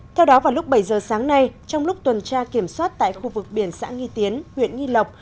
theo đó vào lúc bảy giờ sáng nay trong lúc tuần tra kiểm soát tại khu vực biển xã nghi tiến huyện nghi lộc